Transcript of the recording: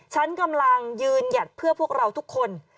ฉันกำลังยืนหยัดเพื่อพวกเราทุกคน